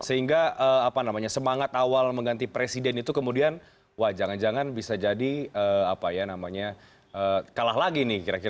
sehingga semangat awal mengganti presiden itu kemudian jangan jangan bisa jadi kalah lagi